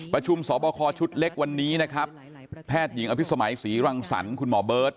ประชุมสอบคอชุดเล็กวันนี้นะครับแพทย์หญิงอภิษมัยศรีรังสรรค์คุณหมอเบิร์ต